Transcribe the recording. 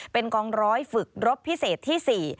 เป็นกองร้อยฝึกรบพิเศษที่๔